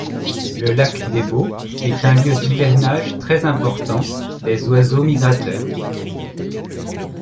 Le lac Débo est un lieu d'hivernage très important des oiseaux migrateurs.